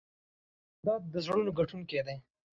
جانداد د زړونو ګټونکی دی.